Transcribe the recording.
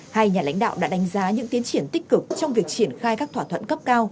hai nhà lãnh đạo đã đánh giá những tiến triển tích cực trong việc triển khai các thỏa thuận cấp cao